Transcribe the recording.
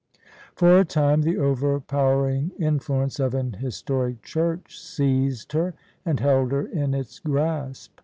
For a time the overpowering influence of an historic Church seized her and held her in its grasp.